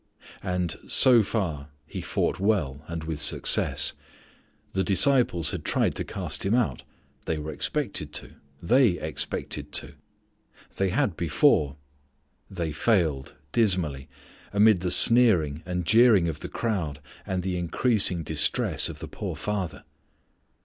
And so far he fought well, and with success. The disciples had tried to cast him out. They were expected to. They expected to. They had before. They failed! dismally amid the sneering and jeering of the crowd and the increasing distress of the poor father.